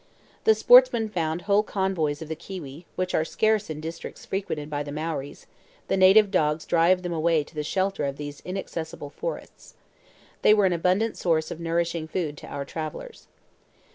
The sportsmen found whole coveys of the kiwi, which are scarce in districts frequented by the Maories; the native dogs drive them away to the shelter of these inaccessible forests. They were an abundant source of nourishing food to our travelers.